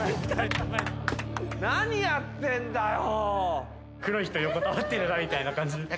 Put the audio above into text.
何やってんだよ。